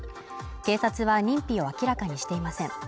警察は認否を明らかにしていません。